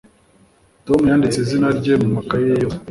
Tom yanditse izina rye mu makaye ye yose